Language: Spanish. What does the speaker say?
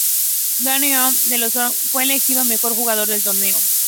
Danny Manning, de los Jayhawks fue elegido Mejor Jugador del Torneo.